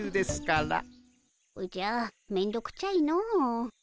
おじゃめんどくちゃいの。